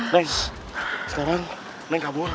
neng sekarang neng kabur